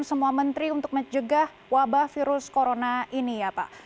dan semua menteri untuk menjegah wabah virus corona ini ya pak